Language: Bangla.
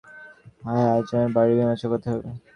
হ্যাঁ, আজ আমায় বাড়ির বীমা চোকাতে হবে।